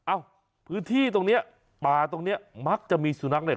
เอ้าพื้นที่ตรงเนี้ยป่าตรงเนี้ยมักจะมีสุนัขเนี่ย